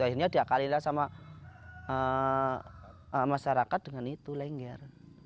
akhirnya diakalilah sama masyarakat dengan itu lengger